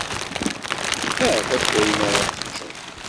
Aɣ-d ayen ara teččeḍ.